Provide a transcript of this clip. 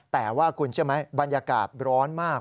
แต่ว่าคุณเชื่อไหมบรรยากาศร้อนมาก